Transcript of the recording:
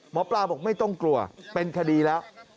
หมอปลาบอกไม่ต้องกลัวเป็นคดีแล้ว